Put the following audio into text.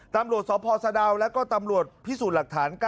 ตำรวจสพสะดาวแล้วก็ตำรวจพิสูจน์หลักฐาน๙